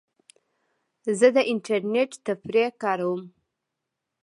زه د انټرنیټ تفریح کاروم.